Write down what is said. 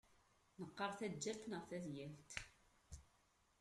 Neqqar taǧǧalt neɣ tadyalt.